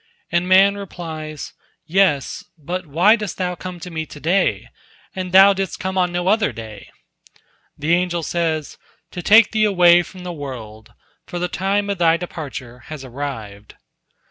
And man replies, "Yes; but why dost thou come to me to day, and thou didst come on no other day?" The angel says, "To take thee away from the world, for the time of thy departure has arrived."